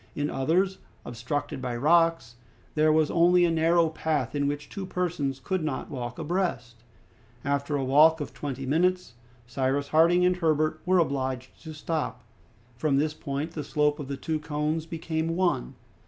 In others, obstructed by rocks, there was only a narrow path, in which two persons could not walk abreast. After a walk of twenty minutes, Cyrus Harding and Herbert were obliged to stop. From this point the slope of the two cones became one.